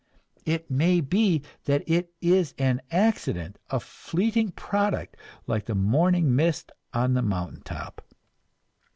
It may be that it is an accident, a fleeting product like the morning mist on the mountain top.